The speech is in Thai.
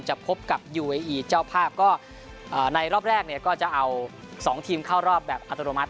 จะพบกับจ้าวภาพก็อ่าในรอบแรกเนี้ยก็จะเอาสองทีมเข้ารอบแบบอัตโนมัติ